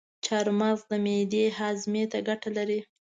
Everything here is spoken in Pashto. چارمغز د معدې هاضمي ته ګټه لري.